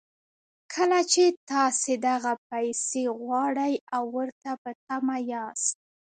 کله چې تاسې دغه پيسې غواړئ او ورته په تمه ياست.